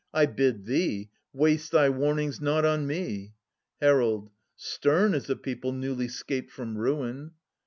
I bid thee, waste thy warnings not on me. Herald. Stem is a people newly *scaped from ruin.